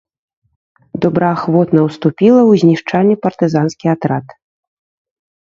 Добраахвотна уступіла ў знішчальны партызанскі атрад.